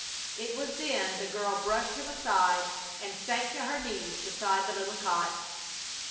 It was then the girl brushed him aside and sank to her knees beside the little cot.